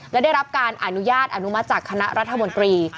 และได้รับการอนุญาตอนุมัติจากคณะรัฐมนตรี